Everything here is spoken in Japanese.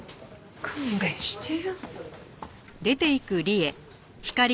勘弁してよ。